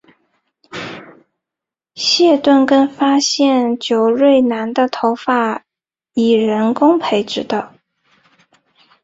谢顿更发现久瑞南的头发是以人工培植的。